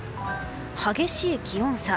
激しい気温差。